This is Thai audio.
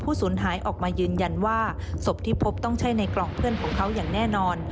ภาพสุดท้ายของเพื่อนของเขาต้องใช้ในกล่องเพื่อนของเขาอย่างแน่นอน